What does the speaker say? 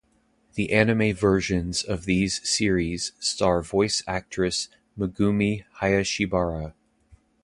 The anime versions of these series star voice-actress Megumi Hayashibara.